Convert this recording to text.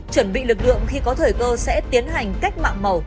chuẩn bị lực lượng khi có thời cơ sẽ tiến hành cách mạng màu